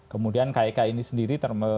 kemudian kek ini sendiri